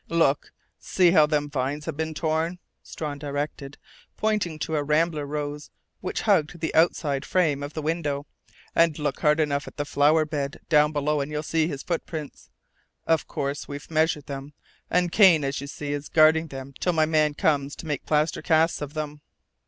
"Look! See how them vines have been torn," Strawn directed, pointing to a rambler rose which hugged the outside frame of the window. "And look hard enough at the flower bed down below and you'll see his footprints.... Of course we've measured them and Cain, as you see, is guarding them till my man comes to make plaster casts of them....